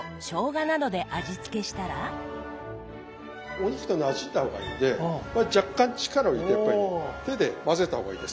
お肉となじんだ方がいいんで若干力を入れてやっぱり手で混ぜた方がいいです。